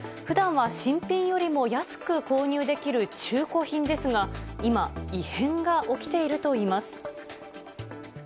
ふだんは新品よりも安く購入できる中古品ですが、今、異変が起きているといいます。